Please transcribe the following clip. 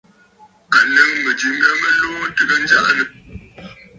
À nɨ̌ŋ mɨ̀jɨ mya mɨ luu ntɨgə njaʼanə.